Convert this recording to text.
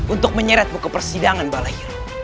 untuk menyeretmu ke persidangan balai